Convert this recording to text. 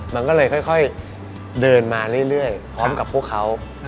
มันก็เลยค่อยเดินมาเรื่อยพร้อมกับพวกเขา